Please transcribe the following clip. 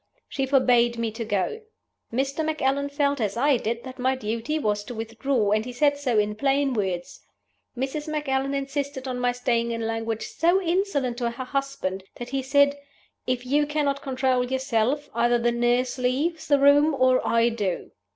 She forbade me to go. Mr. Macallan felt, as I did, that my duty was to withdraw, and he said so in plain words. Mrs. Macallan insisted on my staying in language so insolent to her husband that he said, 'If you cannot control yourself, either the nurse leaves the room or I do.